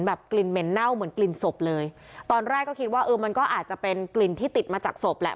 กลิ่นเหม็นเน่าเหมือนกลิ่นศพเลยตอนแรกก็คิดว่าเออมันก็อาจจะเป็นกลิ่นที่ติดมาจากศพแหละ